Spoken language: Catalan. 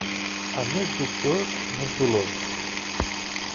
A més doctors, més dolors.